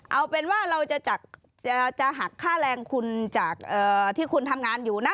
เอาเป็นว่าเราจะหักค่าแรงคุณจากที่คุณทำงานอยู่นะ